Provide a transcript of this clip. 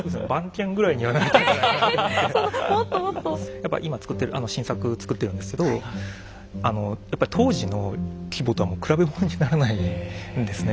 やっぱ今作ってる新作作ってるんですけどやっぱ当時の規模とはもう比べものにならないんですね。